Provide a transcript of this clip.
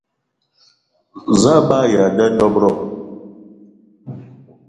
Za a be aya a nda dob-ro?